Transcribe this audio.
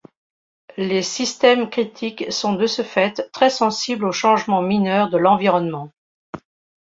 Les systèmes critiques sont de ce fait très sensibles aux changements mineurs de l’environnement.